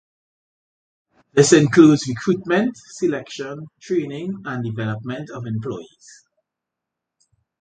This includes recruitment, selection, training, and development of employees.